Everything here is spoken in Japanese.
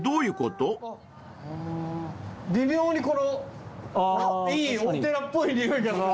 微妙にこのいいお寺っぽい匂いがする。